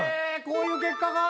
こういう結果か！